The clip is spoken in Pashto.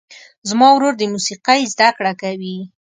زما ورور د موسیقۍ زده کړه کوي.